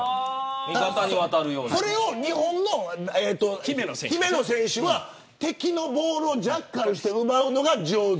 それを日本の姫野選手は敵のボールをジャッカルして奪うのが上手。